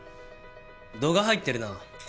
度が入ってるな。